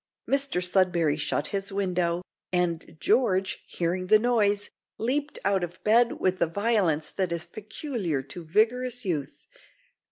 Mr Sudberry shut his window, and George, hearing the noise, leaped out of bed with the violence that is peculiar to vigorous youth.